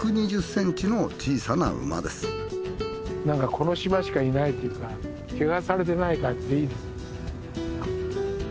なんかこの島しかいないっていうから汚されてない感じでいいです。